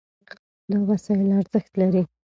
دا وسایل ارزښت لري.